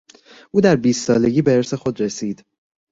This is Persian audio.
او در بیست سالگی به ارث خود رسید.